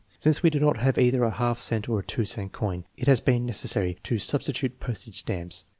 Since we do not have either a half cent or a 2 cent coin, it has been necessary to substitute postage stamps.